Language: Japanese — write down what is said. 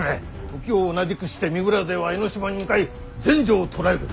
時を同じくして三浦勢は江ノ島に向かい全成を捕らえる。